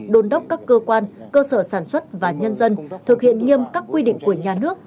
đồn đốc các cơ quan cơ sở sản xuất và nhân dân thực hiện nghiêm các quy định của nhà nước